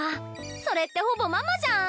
それってほぼママじゃん！